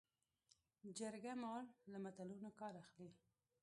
جرګه مار له متلونو کار اخلي